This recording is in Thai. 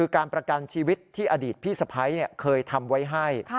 การประกันชีวิตที่อดีตพี่สะพ้ายเคยทำไว้ให้